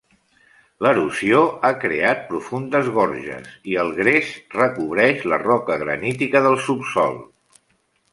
L'erosió ha creat profundes gorges i el gres recobreix la roca granítica del subsòl.